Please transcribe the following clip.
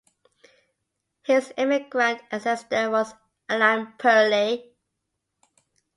His emigrant ancestor was Allan Perley.